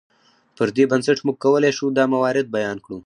پر دې بنسټ موږ کولی شو دا موارد بیان کړو.